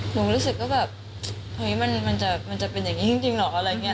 รู้สึกว่าแบบเฮ้ยมันจะเป็นอย่างนี้จริงเหรออะไรอย่างนี้